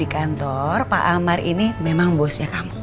kalau memang benar